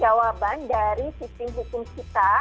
jawaban dari sistem hukum kita